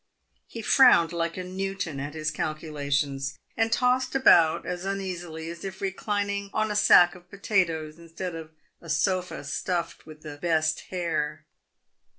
He frowned like a Newton at his calculations, and tossed about as uneasily as if reclining on a sack of potatoes, in stead of a sofa stuffed with the best hair.